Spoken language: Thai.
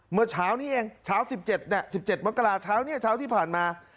เมื่อเช้านี้เองเช้า๑๗๑๗มกราเช้านี้เช้าที่ผ่านมา